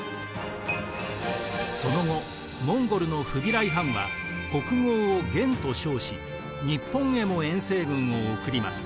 その後モンゴルのフビライ・ハンは国号を元と称し日本へも遠征軍を送ります。